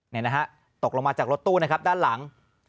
นี่นะฮะตกลงมาจากรถตู้นะครับด้านหลัง